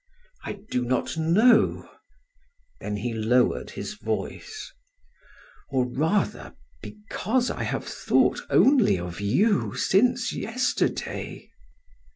"I do not know." Then he lowered his voice: "Or rather because I have thought only of you since yesterday."